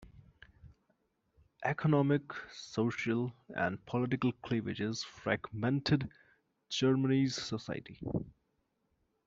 Economic, social, and political cleavages fragmented Germany's society.